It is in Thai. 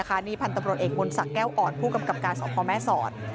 นี่พันธุ์ตำรวจเอกมนศักดิ์แก้วอ่อนผู้กำกับการสพแม่สอด